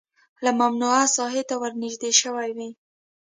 لکه ممنوعه ساحې ته ورنژدې شوی وي